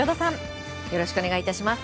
よろしくお願いします。